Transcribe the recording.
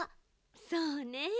そうね。